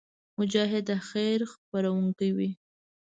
مجاهد د خیر خپرونکی وي.